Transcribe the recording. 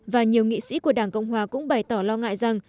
và nhiều nghị sĩ của đảng cộng hòa cũng bày tỏ lo ngại rằng